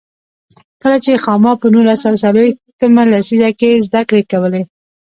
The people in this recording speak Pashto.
کله چې خاما په نولس سوه څلوېښت مه لسیزه کې زده کړې کولې.